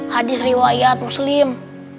hadis riwayat muslim